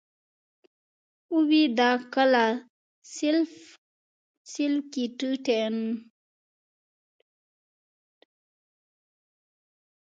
اوي دا کله ؟ self citition